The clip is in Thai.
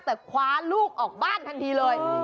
แต่คว้าลูกออกบ้านทันทีเลย